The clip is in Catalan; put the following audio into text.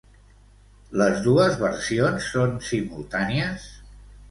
Les dues versions són simultànies?